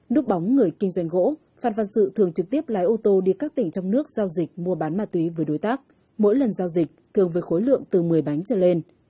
núp bóng người kinh doanh gỗ phan văn sự thường trực tiếp lái ô tô đi các tỉnh trong nước giao dịch mua bán ma túy với đối tác mỗi lần giao dịch thường với khối lượng từ một mươi bánh trở lên